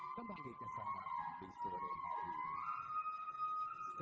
menerima doa mesku dari kita semua